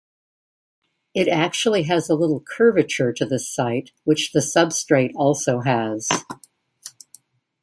It actually has a little curvature to the site which the substrate also has.